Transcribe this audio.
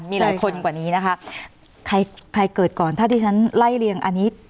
มีหลายคนกว่านี้นะคะใครใครเกิดก่อนถ้าที่ฉันไล่เรียงอันนี้